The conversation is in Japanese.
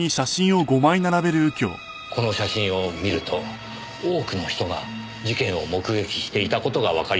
この写真を見ると多くの人が事件を目撃していた事がわかります。